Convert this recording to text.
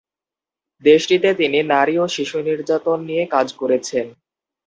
দেশটিতে তিনি নারী ও শিশু নির্যাতন নিয়ে কাজ করেছেন।